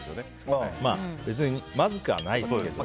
別にまずくはないですけどね。